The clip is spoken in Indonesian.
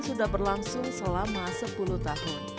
sudah berlangsung selama sepuluh tahun